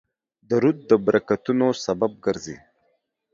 درود د برکتونو سبب ګرځي